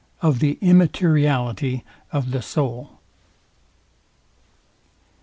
OF THE IMMATERIALITY OF THE SOUL.